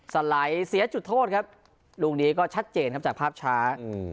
สไลด์เสียจุดโทษครับลูกนี้ก็ชัดเจนครับจากภาพช้าอืม